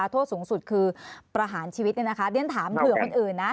โทษสูงสุดคือประหารชีวิตเรียนถามเผื่อคนอื่นนะ